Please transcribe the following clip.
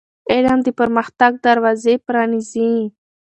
علم د پرمختګ دروازې پرانیزي.